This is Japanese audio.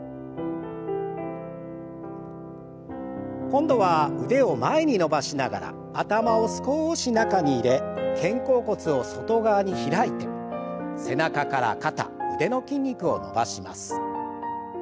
今度は腕を前に伸ばしながら頭を少し中に入れ肩甲骨を外側に開いて背中から肩腕の筋肉を伸ばします。